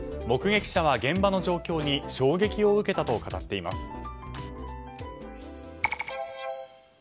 目撃者は現場の状況に衝撃を受けたと語っています。